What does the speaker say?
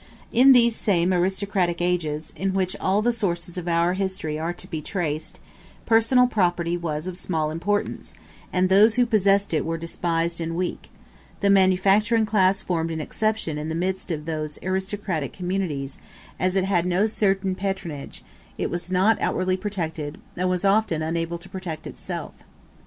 In these same aristocratic ages, in which all the sources of our history are to be traced, personal property was of small importance, and those who possessed it were despised and weak: the manufacturing class formed an exception in the midst of those aristocratic communities; as it had no certain patronage, it was not outwardly protected, and was often unable to protect itself.